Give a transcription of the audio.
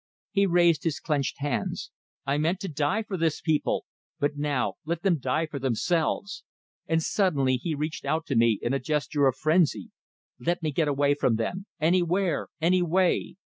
He raised his clenched hands. "I meant to die for this people! But now let them die for themselves!" And suddenly he reached out to me in a gesture of frenzy. "Let me get away from them! Anywhere, anyway!